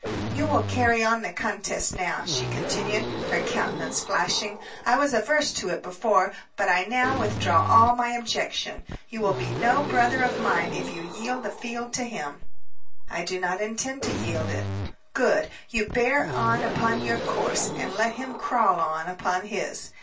"You will carry on the contest now," she continued, her countenance flashing. "I was averse to it before, but I now withdraw all my objection. You will be no brother of mine if you yield the field to him." "I do not intend to yield it." "Good. You bear on upon your course, and let him crawl on upon his.